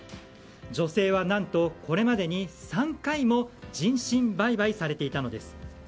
女性は何と、これまでに３回も人身売買されていたのです。